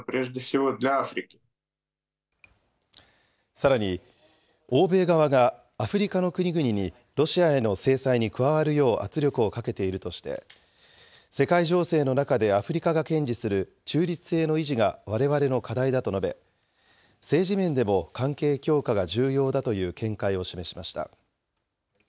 さらに、欧米側がアフリカの国々にロシアへの制裁に加わるよう圧力をかけているとして、世界情勢の中でアフリカが堅持する中立性の維持がわれわれの課題だと述べ、政治面でも関係強化が重要だという見解を示しました。